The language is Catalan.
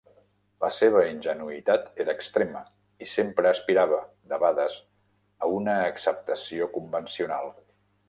La seva ingenuïtat era extrema i sempre aspirava, debades, a una acceptació convencional.